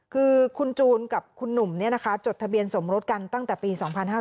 คือคุณจูนกับคุณหนุ่มจดทะเบียนสมรสกันตั้งแต่ปี๒๕๕๙